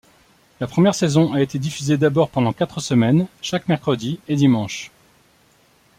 La première saison a été diffusée d'abord pendant quatre semaines, chaque mercredi et dimanche.